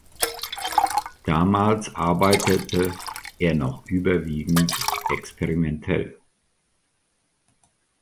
Damals arbeitete er noch überwiegend experimentell.